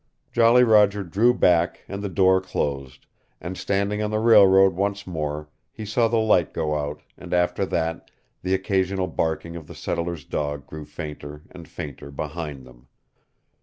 Jolly Roger drew back and the door closed, and standing on the railroad once more he saw the light go out and after that the occasional barking of the settler's dog grew fainter and fainter behind them.